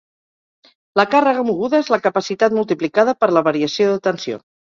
La càrrega moguda és la capacitat multiplicada per la variació de tensió.